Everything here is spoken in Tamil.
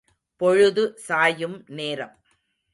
பொழுது சாயும் நேரம்.